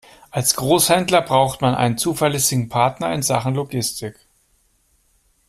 Als Großhändler braucht man einen zuverlässigen Partner in Sachen Logistik.